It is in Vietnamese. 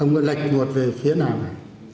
ông nguyễn lạch buộc về phía nào nào